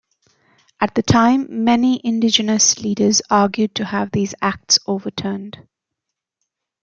At the time, many Indigenous leaders argued to have these acts overturned.